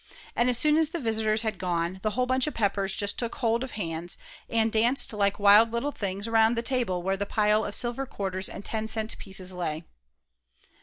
And as soon as the visitors had gone, the whole bunch of Peppers just took hold of hands, and danced like wild little things around the table where the pile of silver quarters and ten cent pieces lay.